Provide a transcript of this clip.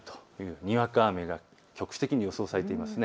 にわか雨が局地的に予想されています。